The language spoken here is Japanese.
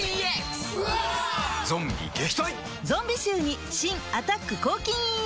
ゾンビ臭に新「アタック抗菌ＥＸ」